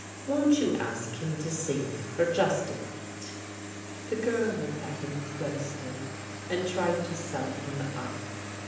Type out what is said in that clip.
Won't you ask him to see me for just a minute ?" The girl looked at him closely and tried to sum him up.